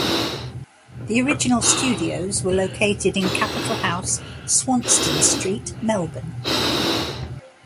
The original studios were located in Capital House, Swanston Street, Melbourne.